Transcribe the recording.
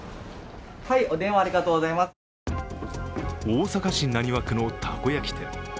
大阪市浪速区のたこ焼き店。